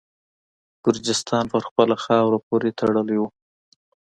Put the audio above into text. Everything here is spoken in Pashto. ګرجستان په خپله خاوره پوري تړلی وو.